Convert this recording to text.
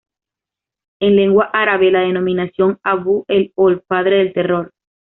En lengua árabe la denominaron "Abu el-Hol" "Padre del Terror".